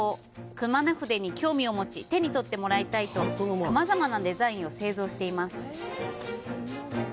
熊野筆に興味を持ち、手に取ってもらいたいと、さまざまなデザインを製造しています。